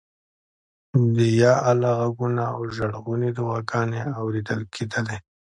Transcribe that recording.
د یا الله غږونه او ژړغونې دعاګانې اورېدل کېدلې.